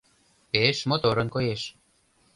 Пеш моторын коеш!